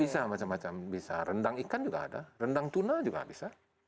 bisa macam macam bisa rendang ikan juga ada rendang tuna juga bisa